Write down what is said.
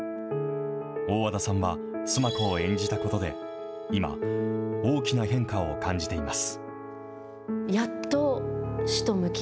大和田さんは須磨子を演じたことで、今、大きな変化を感じています。